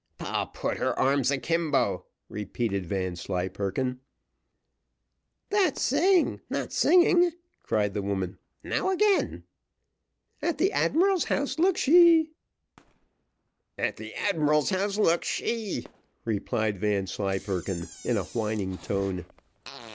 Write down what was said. '" "'Poll put her arms a kimbo,'" repeated Vanslyperken. "That's saying, not singing," cried the woman. "Now again. 'At the admiral's house looked she.'" "'At the admiral's house looked she,'" replied Vanslyperken, in a whining tone.